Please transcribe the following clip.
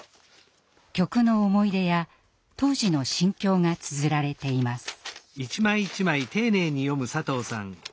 曲の思い出や当時の心境がつづられています。